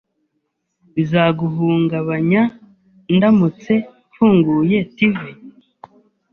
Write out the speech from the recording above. Bizaguhungabanya ndamutse mfunguye TV?